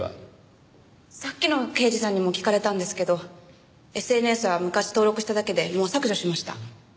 さっきの刑事さんにも聞かれたんですけどＳＮＳは昔登録しただけでもう削除しました。